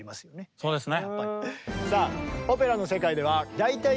そうですね。